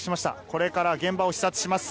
これから現場を視察します。